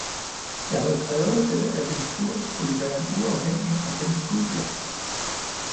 Jeg havde krævet, at dette agentur skulle være en uafhængig og gennemskuelig instans.